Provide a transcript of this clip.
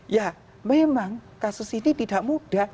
ya memang kasus ini tidak mudah